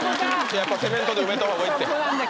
やっぱセメントで埋めたほうがいいってそこなんだ